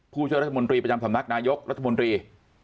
ผู้ช่วยรัฐมนตรีประจำสำนักนายกรัฐมนตรี